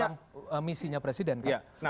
ya tapi kan masuk di dalam misinya presiden kan